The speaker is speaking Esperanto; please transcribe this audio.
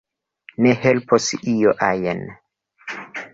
Ne helpos io ajn.